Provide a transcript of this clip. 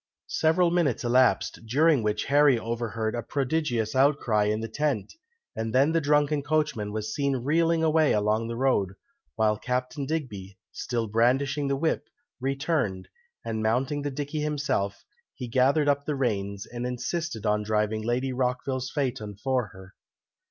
Several minutes elapsed, during which Harry overheard a prodigious outcry in the tent, and then the drunken coachman was seen reeling away along the road, while Captain Digby, still brandishing the whip, returned, and mounting the dicky himself, he gathered up the reins, and insisted on driving Lady Rockville's phaeton for her.